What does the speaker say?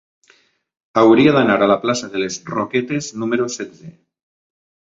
Hauria d'anar a la plaça de les Roquetes número setze.